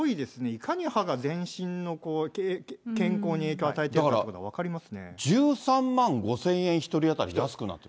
いかに歯が全身の健康に影響を与えているかっていうことが分かりだから、１３万５０００円１人当たり安くなる。